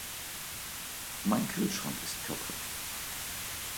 Mein Kühlschrank ist kaputt.